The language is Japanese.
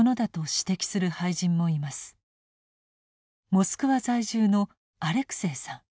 モスクワ在住のアレクセイさん。